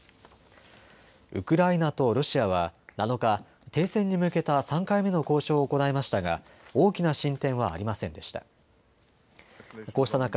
ウクライナとロシアは７日、停戦に向けた３回目の交渉を行いましたが大きな進展はありませんでした。